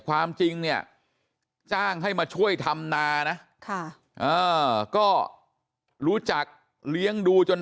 ความจริงเนี่ยจ้างให้มาช่วยทำนานะก็รู้จักเลี้ยงดูจน